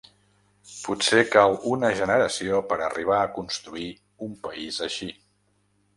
Potser cal una generació per a arribar a construir un país així.